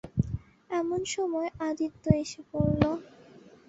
এমন সময় আদিত্য এসে পড়ল।